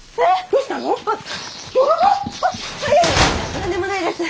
何でもないです。